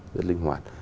rất linh hoạt